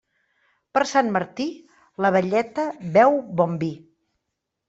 Per Sant Martí, la velleta beu bon vi.